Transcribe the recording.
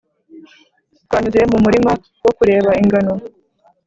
twanyuze mu murima wo kureba ingano,